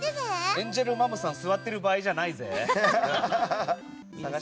エンジェルマムさん座ってる場合じゃないぜ。